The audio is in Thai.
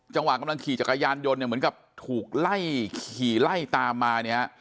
กำลังขี่จักรยานยนต์เนี่ยเหมือนกับถูกไล่ขี่ไล่ตามมาเนี่ย